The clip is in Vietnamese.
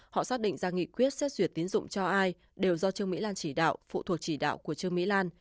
họ xác định ra nghị quyết xét duyệt tiến dụng cho ai đều do trương mỹ lan chỉ đạo phụ thuộc chỉ đạo của trương mỹ lan